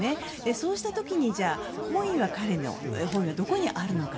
そうした時彼の本意はどこにあるのか。